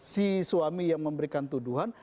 si suami yang memberikan tuduhan